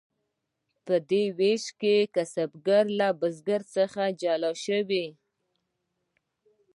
په دې ویش کې کسبګر له بزګر څخه جلا شو.